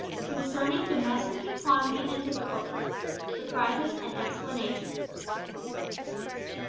CONCERNING DOMESTIC ECONOMY AND DIFFICULTIES SURPRISES AND EXPLANATIONS.